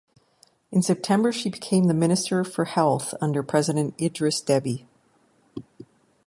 In September she became the Minister for Health under President Idriss Deby.